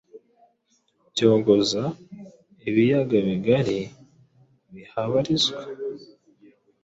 bogoza ibiyaga bigari bihabarizwa,